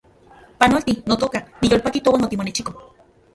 Panolti, notoka , niyolpaki touan otimonechiko